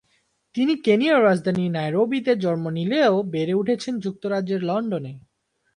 তিনি কেনিয়ার রাজধানী নাইরোবিতে জন্ম নিলেও বেড়ে উঠেছেন যুক্তরাজ্যের লন্ডনে।